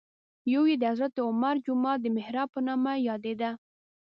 یو یې د حضرت عمر جومات د محراب په نامه یادېده.